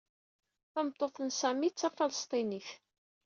Tameṭṭut n Sami d Tafalesṭinit.